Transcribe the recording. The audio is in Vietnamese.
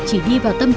chỉ đi vào tâm trạng